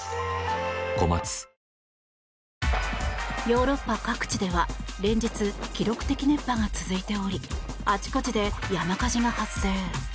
ヨーロッパ各地では連日、記録的熱波が続いておりあちこちで山火事が発生。